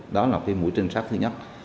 đó là cái mũi trinh sát thứ nhất